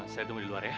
saya tunggu di luar ya